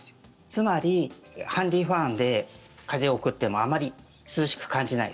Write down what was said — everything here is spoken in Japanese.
つまり、ハンディーファンで風を送ってもあまり涼しく感じない。